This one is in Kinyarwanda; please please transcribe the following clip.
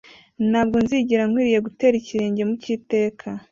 ntabwo nzigera nkwiriye gutera ikirenge mu cy'iteka